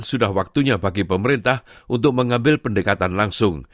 sudah waktunya bagi pemerintah untuk mengambil pendekatan langsung